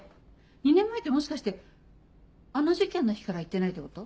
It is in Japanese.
２年前ってもしかしてあの事件の日から行ってないってこと？